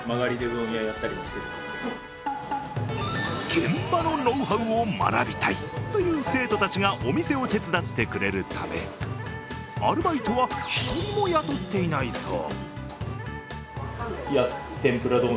現場のノウハウを学びたいという生徒たちがお店を手伝ってくれるため、アルバイトは一人も雇っていないそう。